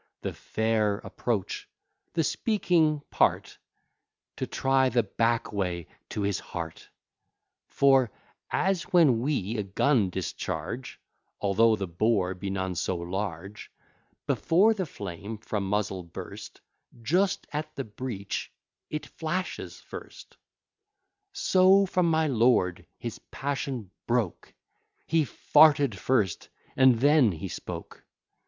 The fair approach the speaking part, To try the back way to his heart. For, as when we a gun discharge, Although the bore be none so large, Before the flame from muzzle burst, Just at the breech it flashes first; So from my lord his passion broke, He f d first and then he spoke.